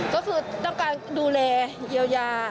ก็คือต้องการดูแลเยียวยา